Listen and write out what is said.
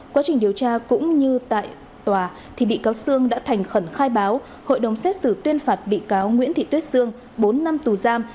quá trình điều tra cũng như tại tòa thì bị cáo sương đã thành khẩn khai báo hội đồng xét xử tuyên phạt bị cáo nguyễn thị tuyết sương bốn năm tù giam